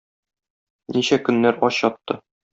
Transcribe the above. Ничә көннәр ач ятты.